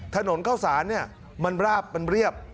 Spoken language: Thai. ถนนเข้าสารเนี่ยมันราบมันเรียบ